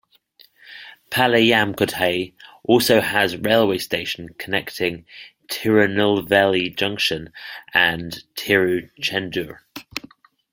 Palayamkottai also has a railway station connecting Tirunelveli Junction and Tiruchendur.